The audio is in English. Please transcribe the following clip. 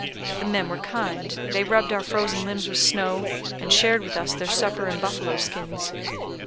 The men were kind; they rubbed our frozen limbs with snow, and shared with us their supper and buffalo skins.